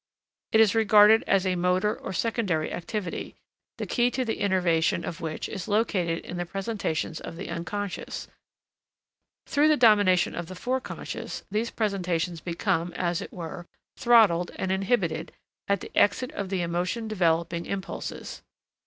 It is regarded as a motor or secondary activity, the key to the innervation of which is located in the presentations of the Unc. Through the domination of the Forec. these presentations become, as it were, throttled and inhibited at the exit of the emotion developing impulses.